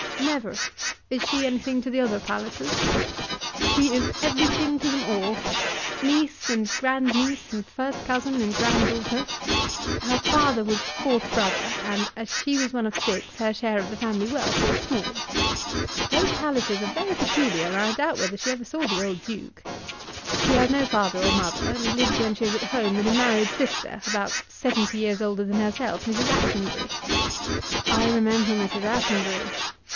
"Never. Is she anything to the other Pallisers?" "She is everything to them all; niece and grand niece, and first cousin and grand daughter. Her father was the fourth brother, and as she was one of six her share of the family wealth is small. Those Pallisers are very peculiar, and I doubt whether she ever saw the old duke. She has no father or mother, and lives when she is at home with a married sister, about seventy years older than herself, Mrs. Attenbury." "I remember Mrs. Attenbury."